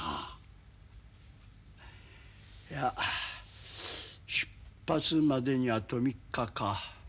いや出発までにあと３日か。